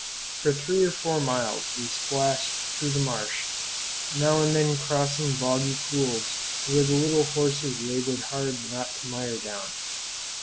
For three or four miles we splashed through the marsh, now and then crossing boggy pools where the little horses labored hard not to mire down.